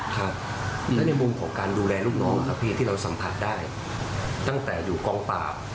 ครับและในมุมของการดูแลลูกน้องครับพี่ที่เราสัมผัสได้ตั้งแต่อยู่กองปราบ